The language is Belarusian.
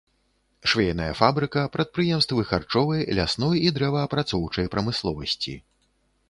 Швейная фабрыка, прадпрыемствы харчовай, лясной і дрэваапрацоўчай прамысловасці.